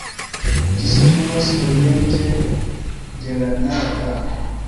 Ĝi situas oriente de la Nara-parko.